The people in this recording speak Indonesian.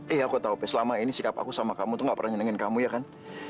eh aku tahu selama ini sikap aku sama kamu tuh gak pernah nyenengin kamu ya kan